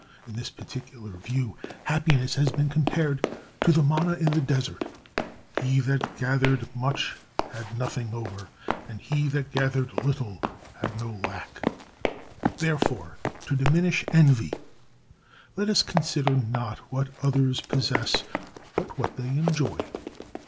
In this particular view happiness has been compared to the manna in the desert—"he that gathered much had nothing over, and he that gathered little had no lack." Therefore, to diminish envy, let us consider not what others possess, but what they enjoy.